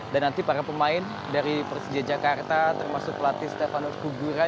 dan nanti para pemain dari persija jakarta termasuk pelatih stefano kugura